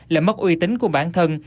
là mất uy tính của bản thân